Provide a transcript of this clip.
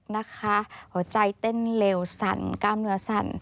นะคะหัวใจเต้นเร็วสั่นกล้ามเนื้อสั่น